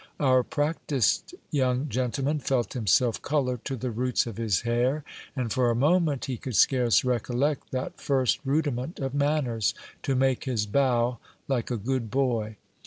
our practised young gentleman felt himself color to the roots of his hair, and for a moment he could scarce recollect that first rudiment of manners, "to make his bow like a good boy."